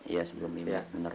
iya sebelum imlek